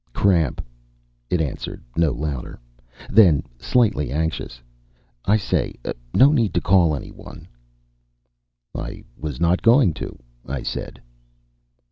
"Cramp," it answered, no louder. Then slightly anxious, "I say, no need to call anyone." "I was not going to," I said.